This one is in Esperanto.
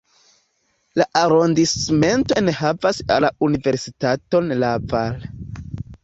La arondismento enhavas la universitaton Laval.